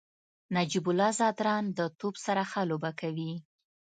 نجیب الله زدران د توپ سره ښه لوبه کوي.